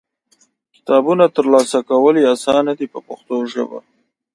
کتابونه ترلاسه کول یې اسانه دي په پښتو ژبه.